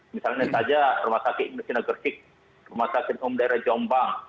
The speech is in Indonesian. misalnya saja rumah sakit mesin agersik rumah sakit umum daerah jombang